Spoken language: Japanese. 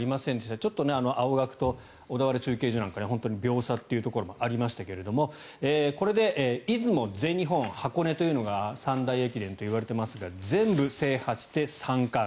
ちょっと青学と小田原中継所なんかで秒差というところがありましたがこれで出雲、全日本箱根というのが三大駅伝といわれていますが全部制覇して３冠。